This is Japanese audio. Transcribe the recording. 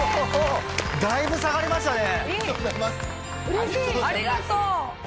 だいぶ下がりましたね。